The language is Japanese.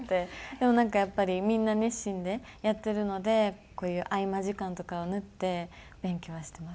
でもなんかやっぱりみんな熱心にやってるのでこういう合い間時間とかを縫って勉強はしてますね。